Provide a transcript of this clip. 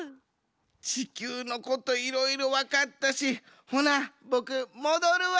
ちきゅうのこといろいろわかったしほなボクもどるわ。